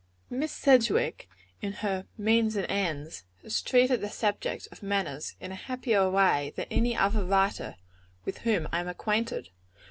Miss Sedgwick, in her "Means and Ends," has treated the subject of Manners in a happier way than any other writer with whom I am acquainted.